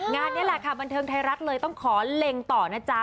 งานนี้แหละค่ะบันเทิงไทยรัฐเลยต้องขอเล็งต่อนะจ๊ะ